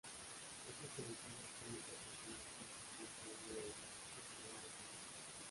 Estas conexiones pueden proporcionar una sencilla forma de realizar ingeniería inversa.